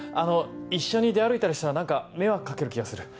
一緒に出歩いたりしたら何か迷惑掛ける気がする。